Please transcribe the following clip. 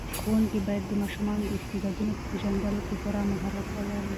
ښوونکي باید د ماشومانو د استعدادونو په پېژندلو کې پوره مهارت ولري.